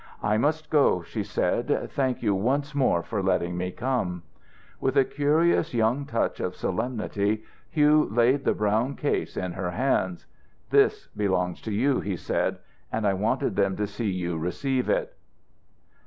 "I must go," she said. "Thank you once more for letting me come." With a curious young touch of solemnity Hugh laid the brown case in her hands. "This belongs to you," he said, "and I wanted them to see you receive it."